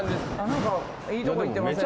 何かいいとこいってません？